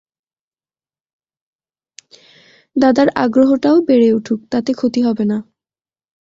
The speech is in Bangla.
দাদার আগ্রহটাও বেড়ে উঠুক, তাতে ক্ষতি হবে না।